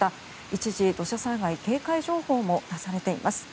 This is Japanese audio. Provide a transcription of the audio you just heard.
一時、土砂災害警戒情報も出されています。